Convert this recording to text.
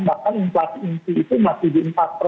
bahkan inflasi inti itu masih di empat